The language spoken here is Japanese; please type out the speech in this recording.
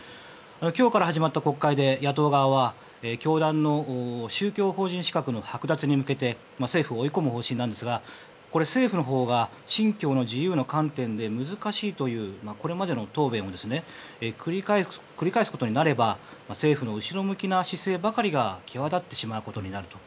今日から始まった国会で野党側は教団の宗教法人資格のはく奪に向けて政府を追い込む方針なんですがこれ、政府のほうが信教の自由の観点で難しいというこれまでの答弁を繰り返すことになれば政府の後ろ向きな姿勢ばかりが際立ってしまうことになると。